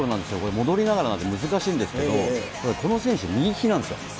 戻りながらなんで難しいんですけど、この選手、右利きなんですよ。